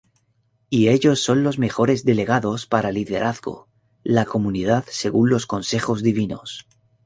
Y ellos son los mejores delegados para liderazgo la comunidad según los consejos divinos.